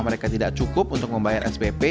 mereka tidak cukup untuk membayar spp